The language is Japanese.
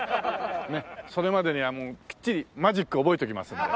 それまでにはもうきっちりマジック覚えておきますんで。